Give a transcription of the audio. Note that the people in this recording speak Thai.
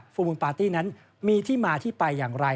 มูลปาร์ตี้นั้นมีที่มาที่ไปอย่างไร